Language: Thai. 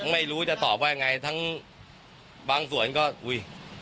ไม่รู้จะตอบว่าไงทั้งปางส่วนก็อุ้ยน่าจะคิดว่าอะไรเป็น